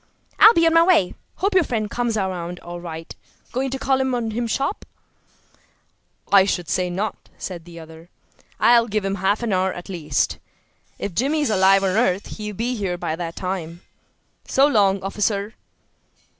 "I'll be on my way. Hope your friend comes around all right. Going to call time on him sharp?" "I should say not!" said the other. "I'll give him half an hour at least. If Jimmy is alive on earth he'll be here by that time. So long, officer."